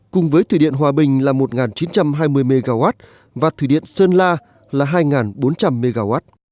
cùng với thủy điện hòa bình là một chín trăm hai mươi mw và thủy điện sơn la là hai bốn trăm linh mw